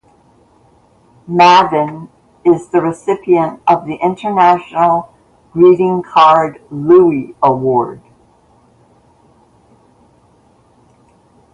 Madden is the recipient of the International Greeting Card Louie Award.